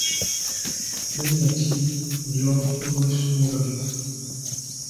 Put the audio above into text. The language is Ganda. Linnya ki ery'omukulu w'essomero lyo?